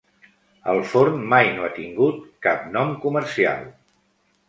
El forn mai no ha tingut cap nom comercial.